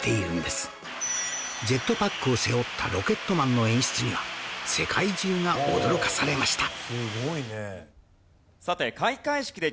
ジェットパックを背負ったロケットマンの演出には世界中が驚かされました